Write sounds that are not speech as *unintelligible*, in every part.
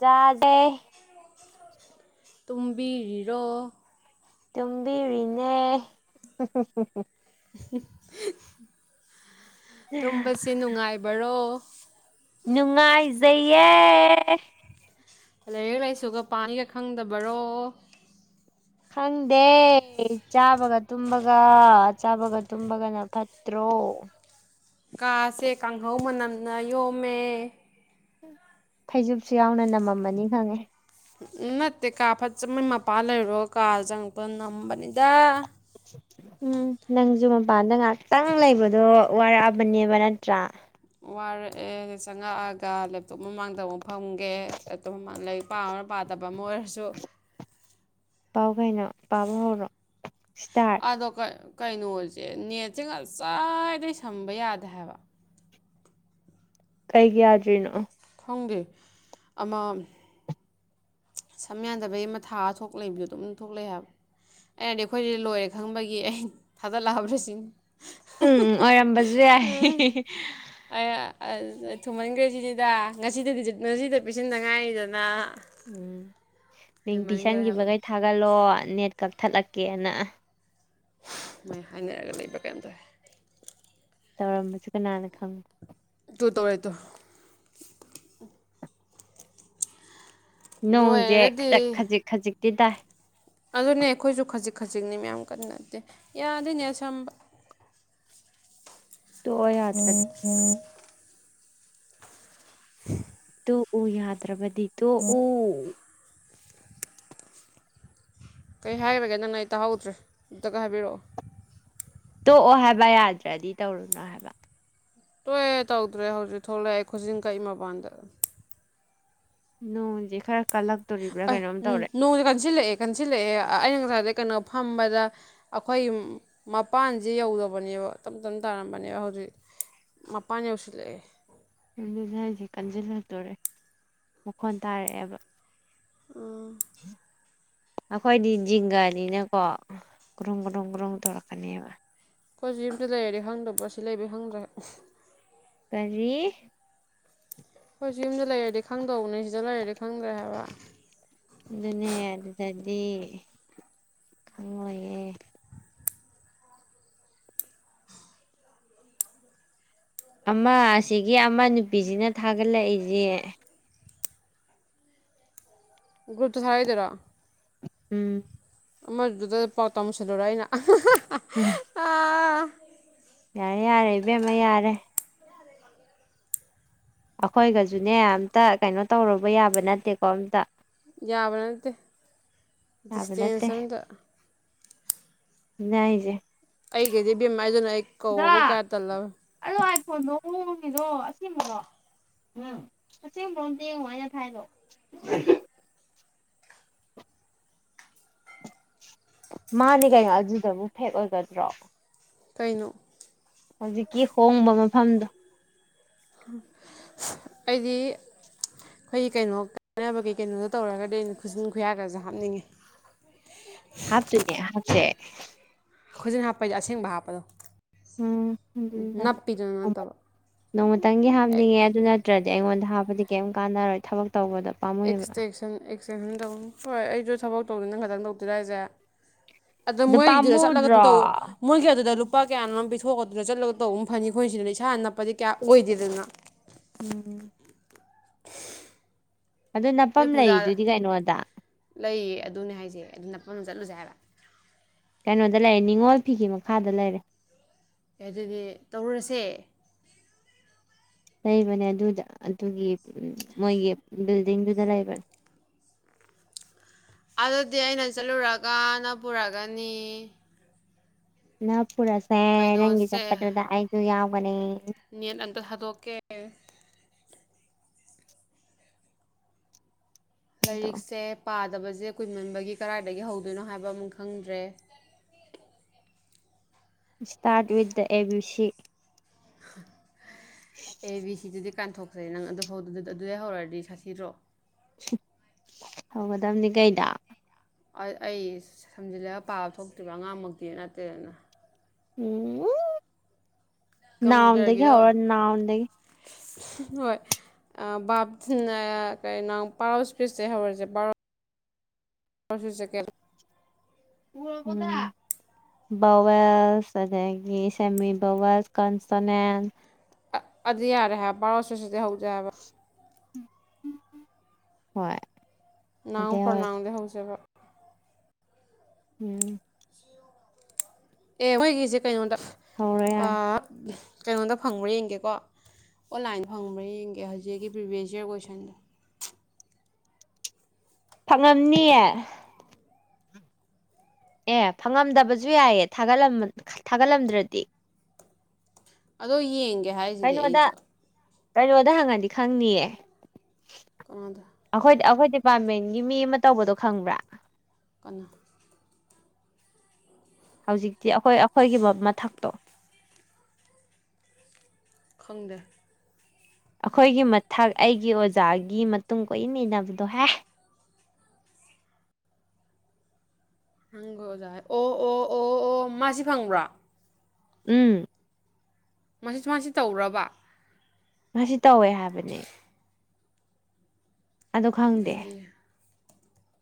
ꯆꯥꯖꯦ ꯇꯨꯡꯕꯤ ꯍꯔꯣ ꯇꯕꯤꯤꯔꯤꯅꯦ *unintelligible* ꯇꯨꯝꯕꯁꯦ ꯅꯨꯡꯉꯥꯏꯕꯔꯣ ꯅꯨꯡꯉꯥꯏꯖꯩꯌꯦ ꯂꯥꯏꯔꯤꯛ ꯂꯥꯏꯁꯨꯒ ꯄꯥꯅꯤꯒ ꯈꯪꯗꯕꯔꯣ ꯈꯪꯗꯦ ꯆꯥꯕꯒ ꯇꯨꯝꯕꯒ ꯒ ꯆꯥꯕꯒ ꯇꯨꯝꯕꯒꯅ ꯐꯠꯇ꯭ꯔꯣ ꯀꯥꯁꯦ ꯀꯥꯡꯍꯧ ꯃꯅꯝꯅ ꯌꯣꯝꯃꯦ ꯐꯩꯖꯨꯞꯁꯨ ꯌꯥꯎꯅ ꯅꯝꯃꯝꯃꯅꯤ ꯈꯪꯉꯦ ꯎ ꯅꯠꯇꯦ ꯀꯥ ꯐꯖꯕꯩ ꯃꯄꯥ ꯂꯩꯔꯣ ꯀꯥ ꯆꯪꯉꯛꯄ ꯅꯝꯕꯅꯤꯗ ꯎꯝ ꯅꯪꯁꯨ ꯃꯄꯥꯟꯗ ꯉꯥꯛꯇꯪ ꯂꯩꯕꯗꯣ ꯋꯥꯔꯛꯑꯕꯅꯦꯕ ꯅꯠꯇ꯭ꯔꯥ ꯋꯥꯔꯛꯑꯦ ꯆꯪꯉꯛꯑꯒ ꯂꯦꯞꯇꯣꯞ ꯃꯃꯥꯡꯗ ꯑꯃꯨꯛ ꯐꯪꯒꯦ ꯂꯦꯞꯇꯣꯞ ꯃꯃꯥꯡ ꯂꯔꯤꯛ ꯄꯥꯕꯅ ꯄꯥꯗꯕ ꯑꯃ ꯑꯣꯏꯔꯁꯨ ꯄꯥꯎ ꯀꯩꯅꯣ ꯄꯥꯕ ꯍꯧꯔꯣ ꯏꯁꯇꯥꯔꯠ ꯑꯗꯣ ꯀꯩꯅꯣꯁꯦ ꯅꯦꯠꯁꯦ ꯉꯁꯥꯏꯗꯩ ꯁꯝꯕ ꯌꯥꯗꯦ ꯍꯥꯏꯕ ꯀꯩꯒꯤ ꯌꯥꯗ꯭ꯔꯤꯅꯣ ꯈꯪꯗꯦ ꯑꯃ ꯁꯝ ꯌꯥꯟꯗꯕꯒꯤ ꯑꯃ ꯊꯥ ꯊꯣꯛ ꯂꯩꯛꯕꯣ ꯑꯗꯨꯝ ꯊꯣꯛꯂꯛ ꯍꯥꯏꯕ ꯑꯔꯗꯤ ꯑꯩꯈꯣꯏꯗꯤ ꯂꯣꯏꯔꯦ ꯈꯪꯕꯒꯤ ꯑꯩ ꯊꯥꯗꯠꯂꯛꯑꯕ꯭ꯔꯥ ꯁꯤ ꯎꯝ ꯑꯣꯏꯔꯝꯕꯁꯨ ꯌꯥꯏ ꯊꯨꯝꯍꯟꯈ꯭ꯔꯦ ꯁꯤꯁꯤꯗ ꯉꯁꯤꯗꯗꯤ ꯉꯁꯤꯗ ꯄꯤꯁꯤꯟꯗꯉꯥꯏꯔꯤꯗꯅ ꯎꯝ ꯃꯤꯡ ꯍꯥꯏꯕ ꯄꯤꯤꯁꯟꯈꯤꯕꯈꯩ ꯊꯥꯒꯠꯂꯣ ꯅꯦꯠ ꯀꯛꯊꯠꯂꯛꯀꯦꯅ ꯃꯣꯏ ꯍꯥꯏꯅꯔꯒ ꯂꯩꯕ ꯀꯔꯤꯝꯗꯔꯦ ꯇꯧꯔꯝꯕꯁꯨ ꯀꯅꯥꯅ ꯈꯪꯕꯦ ꯇꯣ ꯇꯧꯔꯦ ꯇꯣ ꯑꯗꯨ ꯅꯣꯡꯖꯦ ꯑꯣꯏꯔꯒꯗꯤ ꯈꯖꯛ ꯈꯖꯤꯛ ꯈꯖꯤꯛ ꯇꯗ ꯑꯗꯨꯅꯦ ꯑꯩꯈꯣꯏꯁꯨ ꯈꯖꯤꯛ ꯈꯖꯤꯛꯅꯤ ꯃ ꯀꯟꯅ ꯅꯠꯇꯦ ꯌꯥꯗꯣꯏꯅꯦ ꯑꯁꯝꯕ ꯇꯣꯛꯑꯣ ꯎꯝ ꯌꯥꯗ꯭ꯔꯗꯤ ꯎꯝ ꯎ ꯌꯥꯗ꯭ꯔꯕ ꯑꯗꯨꯗꯣ ꯎ ꯀꯩ ꯍꯥꯏꯈꯒꯦ ꯅꯪꯅ ꯑꯩ ꯇꯥꯍꯧꯗ꯭ꯔꯦ ꯑꯗꯨꯇꯒ ꯍꯥꯏꯕꯤꯔꯛꯑꯣ ꯇꯣꯛꯑꯣ ꯍꯥꯏꯕ ꯌꯥꯗ꯭ꯔꯗꯤ ꯇꯧꯔꯨꯅꯨ ꯍꯥꯏꯕ ꯇꯣꯏꯦ ꯇꯧꯗ꯭ꯔꯦ ꯍꯧꯖꯤꯛ ꯊꯣꯛꯂꯛꯑꯦ ꯈꯨꯖꯤꯤꯡ ꯀꯛ ꯃꯄꯥꯟꯗ ꯅꯦ ꯈꯔ ꯀꯜꯂꯛꯇꯣꯔꯤꯕ꯭ꯔꯥ ꯑ ꯀꯩꯅꯣꯝ ꯎꯝ ꯇꯧꯔꯦ ꯅꯣꯡꯗꯤ ꯀꯟꯁꯤꯜꯂꯛꯑꯦ ꯀꯟꯁꯤꯜꯂꯛꯑꯦ ꯑꯩꯅ ꯉꯁꯥꯏ ꯀꯩꯅꯣ ꯐꯝꯕꯗ ꯑꯩꯈꯣꯏꯒꯤ ꯃꯄꯥꯟꯁꯦ ꯌꯧꯗꯕꯅꯦꯕ ꯇꯞ ꯇꯞꯅ ꯇꯥꯔꯝꯕꯅꯦꯕ ꯍꯧꯖꯤꯛ ꯃꯄꯥꯟ ꯌꯧꯁꯤꯜꯂꯛꯑꯦ ꯑꯗꯨꯗ ꯑꯩꯁꯦ ꯀꯟꯁꯤꯜꯂꯛꯇꯣꯔꯦ ꯃꯈꯣꯟ ꯇꯥꯔꯛꯑꯦꯕ ꯑ ꯑꯩꯈꯣꯏꯗꯤ ꯖꯤꯡꯒꯅꯤꯅꯀꯣ ꯀ꯭ꯔꯨꯝ ꯀ꯭ꯔꯨꯝ ꯀ꯭ꯔꯨꯝ ꯇꯧꯔꯛꯀꯅꯦꯕ ꯑꯩꯈꯣꯏ ꯁꯤ ꯌꯨꯝꯗ ꯂꯩꯔꯗꯤ ꯍꯪꯗꯕ꯭ꯔ ꯁꯤ ꯂꯩꯕ ꯍꯪꯗ꯭ꯔꯦ ꯀꯔꯤ ꯍꯣꯏꯁꯨ ꯌꯨꯝꯗ ꯂꯩꯔꯗꯤ ꯈꯪꯗꯧꯕꯅꯦ ꯁꯤꯗ ꯂꯩꯔꯗꯤ ꯈꯪꯗ꯭ꯔꯦ ꯍꯥꯏꯕ ꯑꯗꯨꯅꯦ ꯑꯗꯨꯗꯗꯤ ꯈꯪꯂꯪꯂꯣꯏꯌꯦꯦ ꯑꯃ ꯑꯁꯤꯒꯤ ꯑꯃ ꯅꯨꯄꯤꯁꯤꯅ ꯊꯥꯒꯠꯂꯛꯏꯁꯦ ꯒꯨꯨꯞꯇ ꯁꯥꯔꯗꯔꯥ ꯎꯝ ꯑꯃꯔ ꯗ ꯄꯥꯎ ꯇ ꯃꯁꯂꯔꯥꯏꯅ ꯎꯝ ꯌꯥꯔꯦ ꯌꯥꯔꯦ ꯏꯕꯦꯝꯃ ꯌꯥꯔꯦ ꯑꯩꯈꯣꯏꯒꯁꯨꯅꯦ ꯑꯝꯇ ꯀꯩꯅꯣ ꯇꯧꯔꯨꯕ ꯌꯥꯕ ꯅꯠꯇꯦꯀꯣ ꯑꯝꯇ ꯌꯥꯕ ꯅ ꯅꯠꯇꯦ ꯗꯤꯁꯇꯦꯟꯁ ꯑꯃꯗ ꯅꯏꯁ ꯑꯩꯒꯤꯩꯗꯤ ꯕꯦꯝꯝꯃꯥꯏꯗꯨꯅ ꯑꯩ ꯀꯧꯕꯨ ꯀꯌꯥ ꯇꯜꯂꯕꯦ ꯍꯣꯟꯗꯣꯡ ꯃꯣꯡꯒꯤꯗꯣ ꯑꯁꯦꯡꯕꯣ ꯎꯝ ꯑꯁꯦꯡꯕꯣ ꯑꯝꯇ ꯌꯦꯡꯉꯨꯣ ꯍꯥꯏꯩꯅ ꯊꯥꯏꯗꯣ ꯃꯥꯅꯦ ꯀꯩꯅꯣ ꯑꯗꯨꯗꯕꯨ ꯐꯦꯛ ꯑꯣꯏꯒꯗ꯭ꯔꯣ ꯀꯩꯅꯣ ꯍꯧꯖꯤꯛꯀꯤ ꯍꯣꯡꯕ ꯃꯐꯝꯗꯣ ꯑꯩꯗꯤ ꯑꯩꯈꯣꯏꯒꯤ ꯀꯩꯅꯣ ꯀꯥꯟꯅꯕꯒꯤꯩ ꯀꯩꯅꯣꯗꯣ ꯇꯧꯔꯒꯗꯤ ꯑꯩꯅ ꯈꯨꯁꯨꯟ ꯈꯨꯌꯥꯒꯁꯨ ꯍꯥꯞꯅꯤꯡꯉꯤ ꯍꯥꯞꯇꯣꯏꯅꯦ ꯍꯥꯞꯁꯦ ꯈꯖꯤꯟ ꯍꯥꯞꯄꯩꯁ ꯑꯁꯦꯡꯕ ꯍꯥꯞꯄꯗꯣ ꯅꯞꯄꯤꯗꯨꯅ ꯎꯝ ꯅꯠꯇꯕ ꯅꯣꯡꯃꯇꯪꯒꯤ ꯍꯥꯞꯅꯤꯡꯉꯦ ꯑꯗꯨ ꯅꯠꯇ꯭ꯔꯗꯤ ꯑꯩꯉꯣꯟꯗ ꯍꯥꯞꯄꯗꯤ ꯀꯩꯝ ꯀꯥꯟꯅꯔꯣꯏ ꯊꯕꯛ ꯇꯧꯕꯗ ꯄꯥꯝꯃꯨꯕ ꯛ ꯆꯟ ꯍꯣꯏ ꯑꯩꯁꯨ ꯊꯕꯛ ꯇꯧꯗ ꯅꯪ ꯈꯇꯪ ꯇꯧꯗꯤꯔꯏꯁꯦ ꯑ ꯑꯗꯨ ꯃꯣꯏꯗꯨꯗ ꯆꯠꯂꯒ ꯑꯗꯨꯝ ꯄꯥꯝꯃꯨꯗ꯭ꯔꯣ ꯇꯧ ꯃꯣꯏꯒꯤ ꯑꯗꯨꯗ ꯂꯨꯄꯥ ꯀꯌꯥꯅꯣ ꯑꯃ ꯄꯤꯊꯣꯛꯑꯗꯨꯅ ꯆꯠꯂꯒ ꯇꯧꯕ ꯑꯃ ꯐꯅꯤ ꯈꯈꯣꯏꯁꯤꯅ ꯏꯁꯥ ꯅꯛꯄꯗꯤ ꯀꯌꯥ ꯑꯣꯏꯗꯦꯗꯅ ꯎꯝ ꯑꯗꯨ ꯅꯣꯏ ꯅꯐꯝ ꯄꯨꯖꯥ ꯂꯩꯗꯨꯗꯤ ꯀꯩꯅꯣꯗ ꯂꯩꯌꯦ ꯑꯗꯨꯅꯦ ꯍꯥꯏꯁꯦ ꯑꯗꯨꯅꯐꯝ ꯑꯃ ꯆꯠꯂꯨꯁꯦ ꯍꯥꯏꯕ ꯀꯩꯅꯣꯗ ꯂꯩꯔꯦ ꯅꯤꯡꯉꯣꯜ ꯐꯤꯒꯤ ꯃꯈꯥꯗ ꯂꯩꯔꯦ ꯑꯗꯨꯗꯤ ꯇꯧꯔꯨꯔꯁꯦ ꯂꯩꯕꯅꯦ ꯑꯗꯨꯗ ꯑꯗꯨꯒꯤ ꯃꯣꯏꯒꯤ ꯕꯤꯜꯗꯤꯡꯗꯨꯗ ꯂꯩꯕꯅꯦ ꯑꯗꯨꯗꯤ ꯑꯩꯅ ꯆꯠꯂꯨꯔꯒꯅ ꯄꯨꯔꯒꯅꯤ ꯅ ꯄꯨꯔ ꯁꯦ ꯅꯪꯒꯤ ꯀꯩꯅꯣꯁꯦ ꯆꯄꯠꯗꯨꯗ ꯑꯩꯁꯨ ꯌꯥꯎ ꯃꯅꯤ ꯅꯦꯠ ꯑꯟꯇ ꯊꯥꯗꯣꯛ ꯀꯦ ꯑꯗꯣ ꯂꯥꯏꯔꯤꯛꯁꯦ ꯄꯥꯗ ꯁꯥꯅꯕꯁꯦ ꯀꯨꯏꯃꯟꯕꯒꯤ ꯀꯔꯥꯏꯗꯒꯤ ꯍꯧꯗꯣꯏꯅꯣ ꯍꯥꯏꯕ ꯑꯃꯨꯛ ꯈꯦꯗ꯭ꯔꯦ ꯏꯁꯇ꯭ꯔꯥꯠ with A B C A B C D ꯀꯥꯟꯊꯣꯛꯈ꯭ꯔꯦ ꯅꯪ ꯑꯗꯨꯐꯥꯎ ꯑꯗꯨꯗꯩ ꯍꯧꯔꯛꯗꯤ ꯁꯥꯊꯤꯗ꯭ꯔꯣ ꯍꯧꯒꯗꯕꯅꯤ ꯀꯩꯗꯣ ꯑꯩ ꯁꯝꯖꯤꯜꯂꯒ ꯄꯥꯕ ꯊꯣꯛꯇ꯭ꯔꯤꯕ ꯑꯉꯥꯡꯃꯛꯇꯤ ꯅꯠꯇꯦꯗꯅ ꯎꯝ ꯅ꯭ꯋꯥꯟꯗꯒꯤ ꯀꯝꯄ꯭ꯌꯨꯇꯔꯒꯤꯗꯣ ꯍꯧꯔꯣ ꯅ꯭ꯋꯥꯟꯗꯒꯤ ꯍꯣꯏ ꯕꯥꯞꯁꯤꯅ ꯀꯩꯅꯣ ꯄꯥꯔꯣ ꯏꯁꯄꯤꯁ ꯍꯧꯔꯁꯦ ꯚꯥꯎ ꯏꯁꯄꯤꯁ ꯁꯦ ꯀꯩꯅꯣ ꯕꯋꯦꯜꯁ ꯑꯗꯒꯤ ꯁꯦꯃꯤ ꯕꯋꯦꯜꯁ ꯀꯟꯁꯇꯣꯅꯦꯟ ꯑꯗꯨ ꯌꯥꯔ ꯍꯥꯏ ꯕꯥꯔꯁ ꯍꯧ ꯌꯥꯕ ꯍꯣꯏ ꯅꯥꯎ ꯑꯗꯩ ꯍꯧꯔꯁꯤ ꯄ꯭ꯔꯔꯅꯥꯎꯗ ꯍꯧꯖꯕ ꯎꯝ ꯑꯦ ꯍꯣꯏꯒꯤꯁꯦ ꯀꯩꯅꯣꯗ ꯍꯧꯔꯣ ꯑ ꯌꯥꯔꯦ ꯀꯩꯅꯣꯗ ꯐꯪꯕ꯭ꯔꯥ ꯌꯦꯡꯒꯦꯀꯣ ꯑꯣꯟꯂꯥꯏꯟꯗ ꯐꯪꯕ꯭ꯔꯥ ꯌꯦꯡꯒꯦ ꯍꯧꯖꯤꯛꯀꯤ ꯄ꯭ꯔꯤꯚꯤꯁ ꯌꯥꯔ ꯀꯣꯏꯁꯟꯗꯣ ꯐꯪꯉꯝꯅꯤꯌꯦ ꯑꯦ ꯐꯪꯉꯝꯗꯕꯁꯨ ꯌꯥꯏꯌꯦꯥ ꯊꯥꯒꯠꯂꯝꯗ꯭ꯔꯗꯤ ꯑꯗꯣ ꯌꯦꯡ ꯀꯦ ꯍꯥꯏꯁꯤꯗꯤ ꯀꯩꯅꯣꯗ ꯑꯩꯁꯨ ꯀꯩꯅꯣꯗ ꯍꯪꯉꯟꯗꯤ ꯈꯪꯅꯤꯌꯦ ꯀꯅꯥꯗ ꯑꯩꯈꯣꯏ ꯑꯩꯈꯣꯏ ꯗꯤꯄꯥꯔꯠꯃꯦꯟꯒꯤ ꯃꯤ ꯑꯃ ꯇꯧꯕꯗꯣ ꯈꯪꯕ꯭ꯔꯥ? ꯀꯅꯥ ꯍꯧꯖꯤꯛꯇꯤ ꯑꯩꯈꯣꯏ ꯑꯩꯈꯣꯏꯒꯤ ꯃꯊꯛꯇꯣ ꯈꯪꯗꯦ ꯑꯩꯈꯣꯏꯒꯤ ꯃꯊꯛ ꯑꯩꯒꯤ ꯑꯣꯖꯥꯒꯤ ꯃꯇꯨꯡ ꯀꯣꯏꯟ ꯏꯟꯅꯕꯗꯣ ꯍꯦ ꯍꯪꯒꯣ ꯑꯣꯖꯥ ꯑꯣ ꯑꯣ ꯑꯣ ꯑꯣ ꯃꯥꯁꯤ ꯐꯪꯕ꯭ꯔꯣ ꯎꯝ ꯃꯁꯤ ꯃꯥꯁꯤ ꯇꯧꯕ꯭ꯔꯥꯕ ꯃꯥꯁꯤ ꯇꯧꯋꯦ ꯍꯥꯏꯕꯅꯤ ꯑꯗꯣ ꯈꯪꯗꯦꯍꯦ ꯑꯗꯨꯗꯤ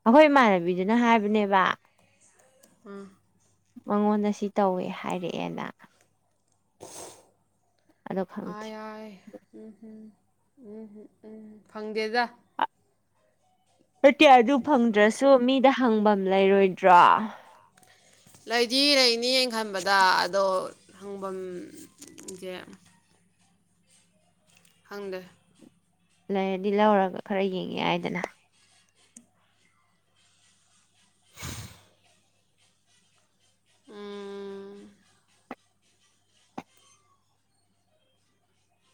ꯑꯩꯈꯣꯏ ꯏꯃꯥꯟꯅꯕꯤꯗꯨꯅ ꯍꯥꯏꯕꯅꯦꯕ ꯎꯝ ꯃꯉꯣꯟꯗ ꯁꯤ ꯇꯧꯋꯦ ꯍꯥꯏꯔꯛꯑꯦꯅ ꯁꯤꯍꯍ ꯑꯗꯣ ꯈꯪꯗꯦ ꯀꯥꯔꯌꯥ ꯒꯤ ꯎꯪ ꯍꯨꯝ ꯎꯝ ꯍꯨꯝ ꯎꯝ ꯐꯪꯗꯦꯗ ꯅꯇꯦ ꯑꯗꯨ ꯐꯪꯗ꯭ꯔꯁꯨ ꯃꯤꯗ- ꯍꯪꯕꯝ ꯂꯩꯔꯣꯏꯗ꯭ꯔꯣ ꯂꯩꯗꯤ ꯂꯩꯅꯤ ꯑꯩꯅ ꯈꯟꯕꯗ ꯑꯗꯣ ꯍꯪꯕꯝ ꯖꯦ ꯈꯪꯗꯦ ꯂꯩꯔꯗꯤ ꯂꯧꯔꯒ ꯈꯔ ꯌꯦꯡ ꯌꯥꯏꯗꯅ ꯎꯝ ꯎꯝ-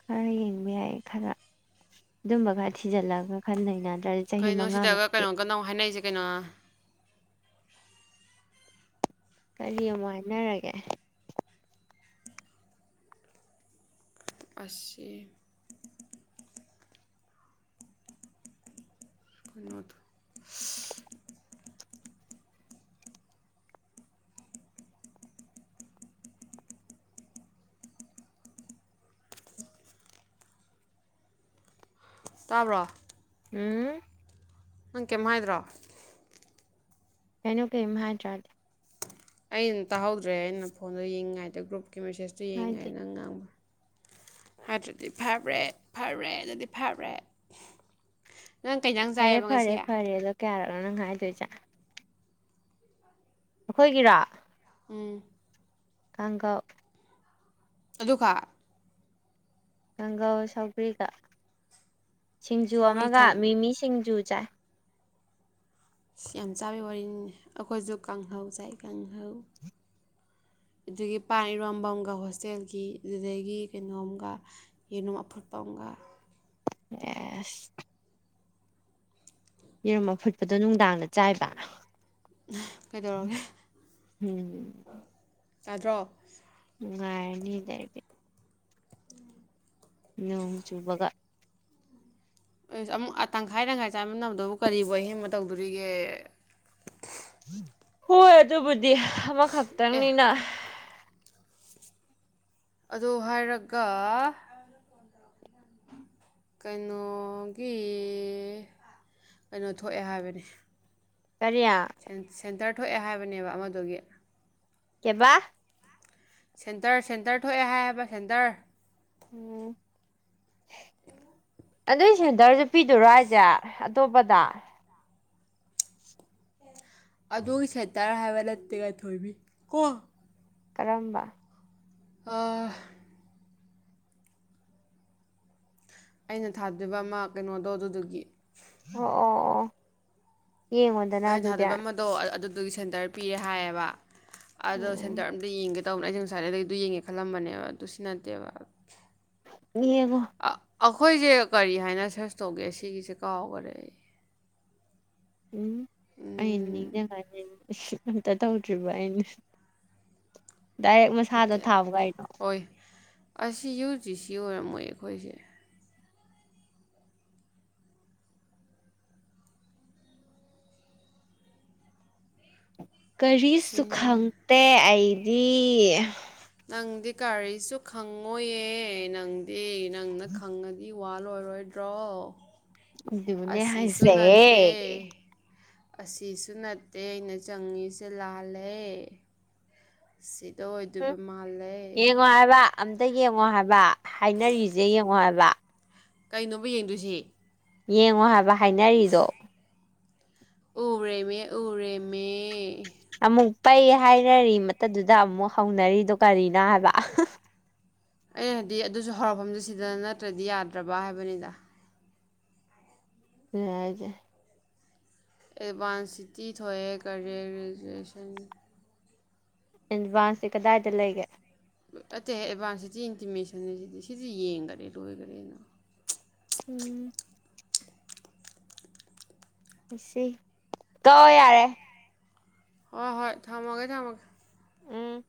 ꯈꯔ ꯌꯦꯡꯕ ꯌꯥꯏ ꯈꯔ ꯑꯗꯨꯝꯕ ꯈꯔ ꯊꯤꯖꯜꯂꯒ ꯈꯟ ꯂꯩꯅꯅꯤ ꯀꯩꯅꯣ ꯁꯤꯗꯒ ꯀꯩꯅꯣ ꯀꯟꯅꯃꯨꯛ ꯍꯥꯏꯅꯔꯤꯁꯦ ꯀꯩꯅꯣ ꯀꯔꯤ ꯑꯃꯨꯛ ꯍꯥꯏꯅꯔꯒꯦ ꯑꯦꯍ- ꯑꯁꯦ ꯐꯨꯅꯣꯗꯨ ꯁꯍꯍꯍ- ꯇꯥꯕ꯭ꯔꯣ ꯎꯝ- ꯅꯪ ꯀꯩꯝ ꯍꯥꯏꯗ꯭ꯔꯣ ꯀꯩꯅꯣ ꯀꯩꯏꯝ ꯍꯥꯏꯗ꯭ꯔꯥꯗꯤ ꯑꯩꯅ ꯇꯥꯍꯧꯗ꯭ꯔꯦ ꯑꯩꯅ ꯐꯣꯟꯗꯣ ꯌꯦꯡꯉꯤꯉꯩꯗ ꯒ꯭ꯔꯨꯞ ꯀꯤ ꯃꯦꯁꯦꯁꯇꯣ ꯍꯥꯏꯗꯦ ꯌꯦꯡꯉꯤꯉꯥꯏꯗ ꯅꯪ ꯉꯥꯡꯕꯥ ꯍꯥꯏꯗ꯭ꯔꯗꯤ ꯐꯔꯦ ꯐꯔꯦ ꯑꯗꯨꯗꯤ ꯐꯔꯦ ꯅꯪ ꯀꯩ ꯏꯟꯖꯥꯡ ꯐꯔꯦ ꯆꯥꯏꯌꯦꯕ ꯉꯁꯤ ꯐꯔꯦ ꯐꯔꯦꯗꯣ ꯀꯌꯥꯔꯛ- ꯅꯣ ꯅꯪ ꯍꯥꯏꯗꯣꯏꯖꯦ ꯑꯩꯈꯣꯏꯒꯤꯔꯥ ꯎꯝ ꯀꯥꯡꯒꯧ ꯑꯗꯨ ꯈꯛ ꯀꯥꯡꯒꯧꯒ ꯁꯧꯒ꯭ꯔꯤꯒ ꯁꯤꯡꯖꯨ ꯁꯧꯒ꯭ꯔꯤ ꯑꯃꯒ ꯊꯣꯡ ꯃꯤꯃꯤ ꯁꯤꯡꯖꯨ ꯆꯥꯏ ꯊꯤꯌꯥꯝ ꯆꯥꯕꯩ ꯋꯥꯔꯤꯅꯤꯅꯦ ꯑꯩꯈꯣꯏꯁꯨ ꯀꯥꯡꯍꯧ ꯆꯥꯏ ꯀꯥꯡꯍꯧ ꯑꯗꯨꯗꯒꯤ ꯄꯥꯟ ꯏꯔꯣꯝꯕꯝꯒ ꯍꯣꯁꯇꯦꯜꯒꯤ ꯑꯗꯨꯗꯒꯤ ꯀꯩꯅꯣꯝꯒ ꯌꯦꯅꯨꯝ ꯑꯐꯨꯠꯄ ꯑꯃꯒ ꯌꯥꯏꯍꯦ ꯑ ꯑꯁ ꯌꯦꯔꯨꯝ ꯑꯐꯨꯠꯄꯗꯣ ꯅꯨꯡꯗꯥꯡꯗ ꯆꯥꯏꯕ ꯀꯩꯗꯧꯔꯒꯦ ꯎꯝ ꯇꯥꯗ꯭ꯔꯣ ꯅꯨꯡꯉꯥꯏꯔꯅꯤꯅꯦ ꯑꯩꯗꯤ ꯅꯣꯡ ꯆꯨꯕꯒ ꯑꯃꯨꯛ ꯇꯪꯈꯥꯏ ꯇꯪꯈꯥꯏ ꯆꯥꯃꯤꯟꯅꯕꯗꯨꯕꯨ ꯀꯔꯤꯕꯨ ꯑꯍꯦꯟꯕ ꯇꯧꯗꯣꯔꯤꯒꯦ ꯍꯣꯏ ꯑꯗꯨꯕꯨꯗꯤ ꯑꯦ ꯑꯃꯈꯛꯇꯪꯅꯤꯅ ꯑꯗꯨ ꯍꯥꯏꯔꯒ ꯀꯩꯅꯣꯒꯤ ꯀꯩꯅꯣ ꯊꯣꯛꯑꯦ ꯍꯥꯏꯕꯅꯤ ꯀꯔꯤ ꯁꯦꯟꯇꯔ ꯊꯣꯛꯑꯦ ꯍꯥꯏꯕꯅꯦꯕ ꯑꯃꯗꯨꯒꯤ ꯀꯩꯕꯥ ꯁꯦꯟꯇꯔ ꯁꯦꯟꯇꯔ ꯊꯣꯛꯑꯦ ꯍꯥꯏꯌꯦꯕ ꯁꯦꯟꯇꯔ ꯎꯝ ꯑꯗꯨꯏ ꯁꯦꯟꯇꯔ ꯍꯥꯞꯄꯤꯗꯨꯔꯣ ꯑꯩꯁꯦ ꯇꯣꯕꯗꯥꯥ ꯑꯗꯨꯒꯤ ꯁꯦꯇꯔ ꯍꯥꯏꯕ ꯅꯠꯇꯦ ꯉꯥꯟꯊꯣꯏꯕꯤ ꯀꯣ ꯀꯔꯝꯕ ꯑ ꯑꯩꯅ ꯊꯥꯗꯣꯏꯕ ꯑꯃ ꯀꯩꯅꯣꯗꯣ ꯑꯗꯨꯗꯨꯒꯤ ꯑꯣ ꯑꯣ ꯑꯣ ꯌꯦꯡꯉꯣꯗꯅ ꯑꯗꯨꯗꯤ ꯑꯗꯨꯒꯤ ꯁꯦꯟꯇꯔ ꯄꯤꯔꯦ ꯍꯥꯏꯌꯦꯕ ꯑꯗꯣ ꯎꯝ ꯁꯦꯟꯇꯔ ꯑꯃꯠꯇ ꯌꯦꯡ ꯇꯧ ꯑꯩꯁꯨ ꯉꯥꯁꯥꯏꯗꯩ ꯑꯗꯨ ꯌꯦꯡꯉꯦ ꯈꯜꯂꯝꯕꯅꯦꯕ ꯑꯗꯨ ꯁꯤ ꯅꯠꯇꯦꯕ ꯌꯦꯡꯉꯣ ꯑ- ꯑꯩꯈꯣꯏꯁꯦ ꯀꯔꯤ ꯍꯥꯏꯅ ꯁꯔꯁ ꯇꯧꯒꯦ ꯁꯤꯒꯤꯁꯦ ꯀꯥꯎꯈꯔꯦ ꯑꯩ ꯎꯝ ꯑꯩꯅ ꯎꯝ ꯅꯤꯡꯖꯪꯉꯅꯤ ꯑꯁ ꯑꯝꯇ ꯇꯧꯗ꯭ꯔꯤꯕ ꯑꯩꯅ ꯗꯥꯏꯔꯦꯛ ꯃꯁꯥꯗ ꯅꯠꯇꯦ ꯊꯥꯕ ꯀꯥꯏꯅꯣ ꯍꯣꯏ ꯑꯁꯤ ꯌꯨ ꯖꯤ ꯁꯤ ꯑꯣꯏꯔꯝꯃꯣꯏ ꯑꯩꯈꯣꯏꯁꯦ ꯀꯔꯤꯁꯨ ꯈꯪꯗꯦ ꯑꯩ ꯗꯤ ꯅꯪꯗꯤ ꯀꯔꯤꯁꯨ ꯈꯪꯉꯣꯏꯌꯦ ꯅꯪꯗꯤ ꯅꯪꯅ ꯈꯪꯉꯗꯤ ꯋꯥꯂꯣꯏꯔꯣꯏꯗ꯭ꯔꯣ ꯑꯗꯨꯕꯨꯅꯦ ꯍꯥꯏꯁꯦ ꯑꯁꯤꯁꯨ ꯅꯠꯇꯦ ꯑꯩꯅ ꯆꯪꯉꯤꯁꯦ ꯂꯥꯜꯂꯦ ꯁꯤ ꯗ ꯍꯨꯝ ꯑꯣꯏꯗꯣꯏꯕ ꯃꯥꯜꯂꯦ ꯌꯦꯡꯉꯣ ꯍꯥꯏꯕ ꯑꯝꯇ ꯌꯦꯡꯉꯣ ꯍꯥꯏꯕ ꯍꯥꯏꯅꯔꯤꯁꯦ ꯌꯦꯡꯉꯣ ꯍꯥꯏꯕ ꯀꯩꯅꯣꯕ ꯌꯦꯡꯗꯣꯏꯁꯤ ꯌꯦꯡꯉꯣ ꯍꯥꯏꯕ ꯍꯥꯏꯅꯔꯤꯗꯣ ꯎꯔꯦ ꯃꯤ ꯎꯔꯦ ꯃꯤ ꯑꯃꯨꯛ ꯄꯩ ꯍꯥꯏꯅꯔꯤ ꯃꯇꯗꯨꯗ ꯑꯃꯨꯛ ꯍꯧꯅꯔꯤꯗꯣ ꯀꯔꯤꯅꯣ ꯍꯥꯏꯕ ꯑꯩ ꯍꯥꯏꯗꯤ ꯑꯗꯨꯁꯨ ꯍꯧꯔꯛꯐꯝꯗꯨ ꯁꯤꯗ ꯅꯠꯇ꯭ꯔꯗꯤ ꯌꯥꯗ꯭ꯔꯕ ꯍꯥꯏꯕꯅꯤꯗ ꯗꯨꯅꯦ ꯍꯥꯏꯁꯦ ꯑꯦꯗꯚꯥꯟꯁ ꯁꯤꯇꯤ ꯊꫭꯛꯑꯦ ꯀꯔꯤꯌꯔ ꯔꯦꯖꯨꯑꯦꯁꯟ ꯑꯦꯗꯚꯥꯟꯁꯁꯦ ꯀꯗꯥꯏꯗ ꯂꯩꯒꯦ ꯑꯇꯦꯍꯦ ꯑꯦꯗꯚꯥꯟꯁ ꯁꯤꯇꯤ ꯏꯟꯇꯤꯃꯦꯁꯟꯅꯦ ꯁꯤꯗꯤ ꯁꯤꯗꯤ ꯌꯦꯡꯈꯔꯦ ꯂꯣꯏꯈꯔꯦꯅ ꯎꯝ ꯏꯁꯦ ꯇꫭꯛꯑꫭ ꯌꯥꯔꯦ ꯍꯣꯏ ꯍꯣꯏ ꯊꯝꯃꯒꯦ ꯊꯝꯃꯒꯦ ꯎꯝ